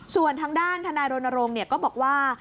ส่วนทางด้านธนาโรนโรงก็บอกว่า